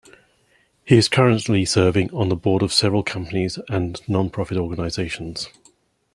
He is currently serving on the board of several companies and non-profit organizations.